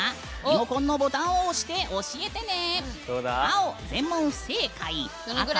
リモコンのボタンを押して教えてね！